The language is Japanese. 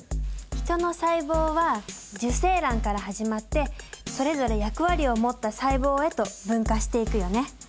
ヒトの細胞は受精卵から始まってそれぞれ役割を持った細胞へと分化していくよね。